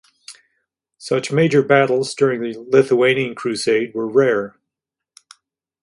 Such major battles during the Lithuanian Crusade were rare.